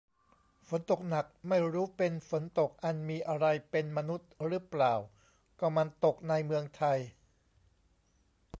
ฝนตกหนัก ไม่รู้เป็น ฝนตกอันมีอะไรเป็นมนุษย์ รึเปล่า ก็มันตกในเมืองไทย